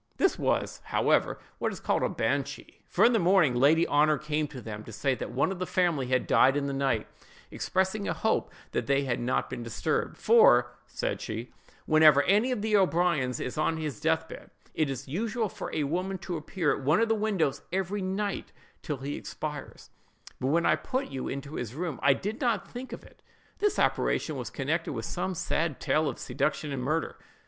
This was, however, what is called a banshee: for in the morning Lady Honor came to them, to say that one of the family had died in the night, expressing a hope that they had not been disturbed: "for," said she, "whenever any of the O'Briens is on his death bed, it is usual for a woman to appear at one of the windows every night till he expires; but when I put you into this room, I did not think of it." This apparition was connected with some sad tale of seduction and murder.